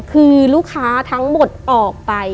คือลูกค้าทั้งหมดออกไป